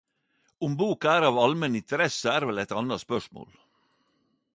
Om boka er av allmenn interesse er vel eit anna spørsmål.